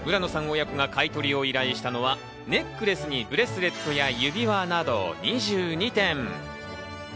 親子が買い取りを依頼したのは、ネックレスにブレスレットや指輪など２２点。